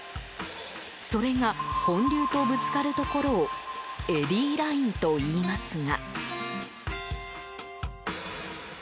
それが、本流とぶつかるところをエディラインといいますが。